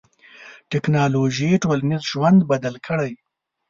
ټکنالوژي ټولنیز ژوند بدل کړی.